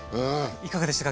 いかがでしたか？